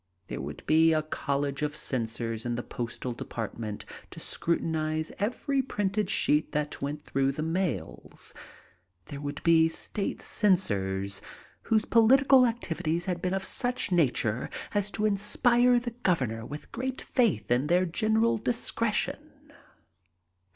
There would be a college of censors in the postal department to scrutinize every printed sheet that went through the mails. There woidd be state censors^ whose political activities had been of such nature as to inspire the governor with great faith in their gen eral discretion.